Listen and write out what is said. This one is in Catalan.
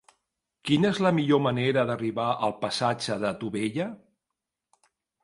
Quina és la millor manera d'arribar al passatge de Tubella?